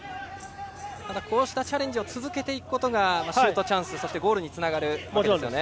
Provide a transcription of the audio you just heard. こうしたチャレンジを続けていくことがシュートチャンス、そしてゴールにつながるわけですね。